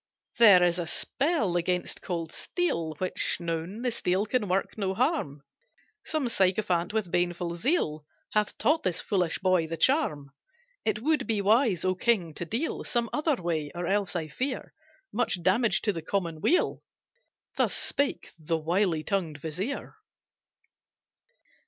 "There is a spell against cold steel Which known, the steel can work no harm, Some sycophant with baneful zeal Hath taught this foolish boy the charm. It would be wise, O king, to deal Some other way, or else I fear Much damage to the common weal." Thus spake the wily tongued vizier.